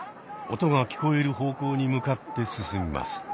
音が聞こえる方向に向かって進みます。